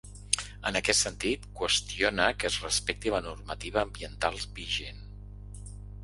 En aquest sentit, qüestiona que es respecti la normativa ambiental vigent.